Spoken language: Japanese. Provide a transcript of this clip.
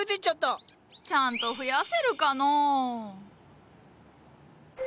ちゃんと増やせるかのう？